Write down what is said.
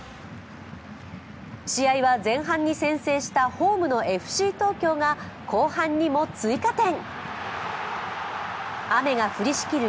試合は前半に先制したホームのＦＣ東京が後半にも追加点。